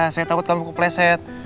saya takut kamu kepleset